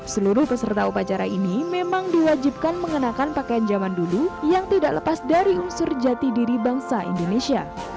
seluruh peserta upacara ini memang diwajibkan mengenakan pakaian zaman dulu yang tidak lepas dari unsur jati diri bangsa indonesia